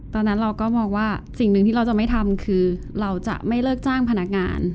ตอนนั้นเราก็มองว่าสิ่งหนึ่งที่เราจะไม่ทำคือเราจะไม่เลิกจ้างพนักงาน